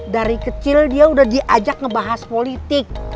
dari kecil dia udah diajak ngebahas politik